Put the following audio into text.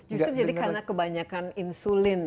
justru jadi karena kebanyakan insulin